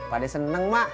padahal seneng ma